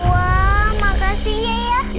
wah makasih ya ya